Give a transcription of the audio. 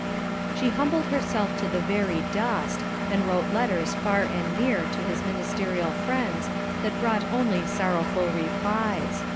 She humbled herself to the very dust, and wrote letters far and near to his ministerial friends, that brought only sorrowful replies.